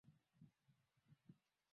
afya ya ngozi inaweza kuathiriwa na ukimwi